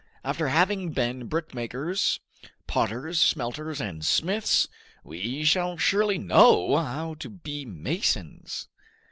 After having been brickmakers, potters, smelters, and smiths, we shall surely know how to be masons!"